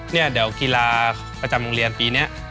เนี่ยเดี๋ยวกีฬาประจำโรงเรียนปีนี้